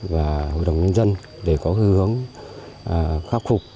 và hội đồng nhân dân để có hướng khắc phục